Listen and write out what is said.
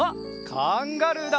カンガルーだ！